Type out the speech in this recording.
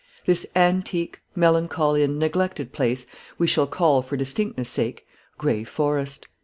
This antique, melancholy, and neglected place, we shall call, for distinctness sake, Gray Forest.